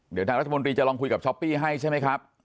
เดี๋ยวทางรัฐมนตรีจะลองคุยกับช้อปปี้ให้ใช่ไหมครับ